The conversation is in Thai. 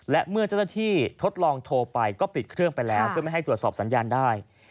และเมื่อเจ้าหน้าที่ทดลองโทรไปก็ปิดเครื่องไปแล้วเพื่อไม่ให้ตรวจสอบสัญญาณได้